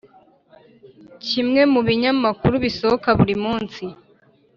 kimwe mu binyamakuru bisohoka buri munsi